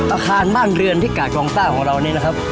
อาคารบ้านเรือนที่กาดกองต้าของเรานี่นะครับ